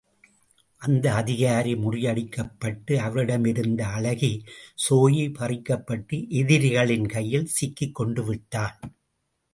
அந்த அதிகாரி முறியடிக்கப்பட்டு அவரிடமிருந்து அழகி ஸோயி பறிக்கப்பட்டு எதிரிகளின் கையில் சிக்கிக் கொண்டு விட்டாள்.